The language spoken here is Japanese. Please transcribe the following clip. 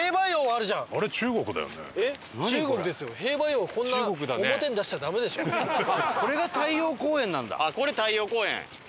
あっこれ太陽公園！